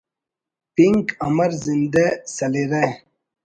پنک امر زندہ سلرہ